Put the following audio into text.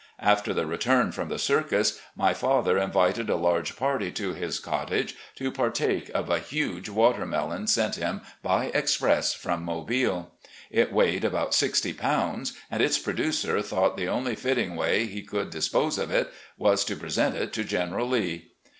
After the return from the circus, my father invited a 276 RECX)LLECTIONS OF GENERAL LEE lai^ge party to his cottage to partake of a huge watermelon sent him by express from Mobile. It weighed about sixty pounds, and its producer thought the only fitting way he could dispose of it was to present it to General Lee.